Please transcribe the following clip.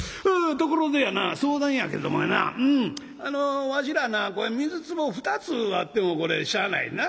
ところでやな相談やけれどもやなわしらな水つぼ２つあってもこれしゃあないな。